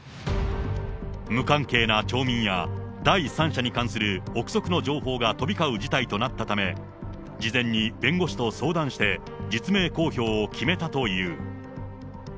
無関係な町民や、第三者に関する臆測の情報が飛び交う事態となったため、事前に弁護士と相談して、実名公表を決めたという。